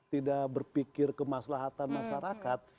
tidak berpikir kemaslahan masyarakat